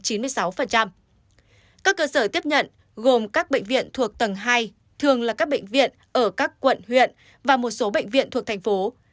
các cơ sở tiếp nhận gồm các bệnh viện thuộc tầng hai thường là các bệnh viện ở các quận huyện và một số bệnh viện thuộc thành phố